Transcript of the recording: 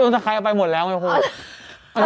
ตั้งแต่ใครเอาไปหมดแล้วไหมครับอ๋ออันนี้เหลืออ๋ออันนี้เหลือ